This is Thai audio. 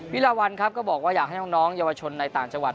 ลาวัลครับก็บอกว่าอยากให้น้องเยาวชนในต่างจังหวัด